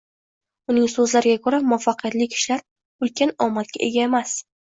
Uning so‘zlariga ko‘ra, muvaffaqiyatli kishilar ulkan omadga ega emas.